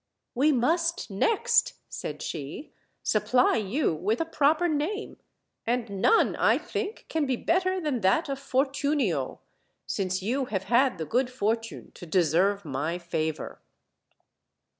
"We must next," said she, "supply you with a proper name; and none, I think, can be better than that of Fortunio, since you have had the good for tune to deserve my favor."